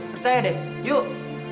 percaya deh yuk